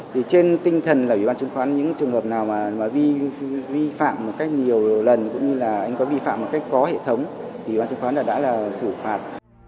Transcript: trên tinh thần là vì ban chứng khoán những trường hợp nào mà vi phạm một cách nhiều lần cũng như là anh có vi phạm một cách có hệ thống thì ban chứng khoán đã là xử phạt